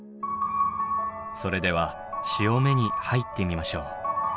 それでは潮目に入ってみましょう。